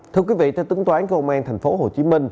thưa quý vị theo tính toán của công an tp hcm